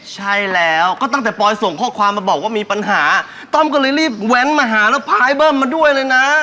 ใช่แล้วก็ตั้งแต่ปอยส่งข้อความมาบอกว่ามีปัญหาต้อมก็เลยรีบแว้นมาหาแล้วพายเบิ้มมาด้วยเลยนะ